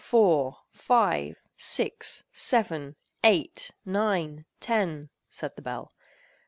Four! Five! Six! Seven! Eight! Nine! Ten!" said the bell.